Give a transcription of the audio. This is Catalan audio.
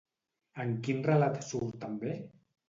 En quin relat surt també?